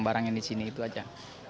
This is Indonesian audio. barang barang yang disini itu aja